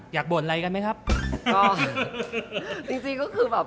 อยากบ่นไลกันไหมครับ